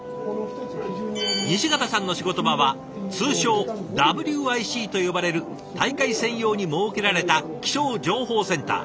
西潟さんの仕事場は通称「ＷＩＣ」と呼ばれる大会専用に設けられた気象情報センター。